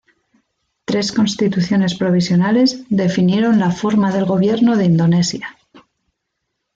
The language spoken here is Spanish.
Tres constituciones provisionales definieron la forma del gobierno de Indonesia.